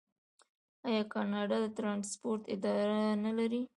آیا کاناډا د ټرانسپورټ اداره نلري؟